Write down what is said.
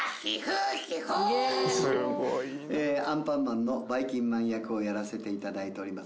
『アンパンマン』のばいきんまん役をやらせていただいております